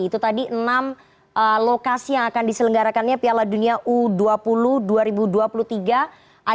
itu tadi enam lokasi yang akan diselenggarakannya piala dunia u dua puluh indonesia